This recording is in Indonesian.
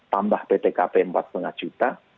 tambah ptkp empat lima juta